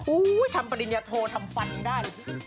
อู้วทำปริญญาโททำฟันได้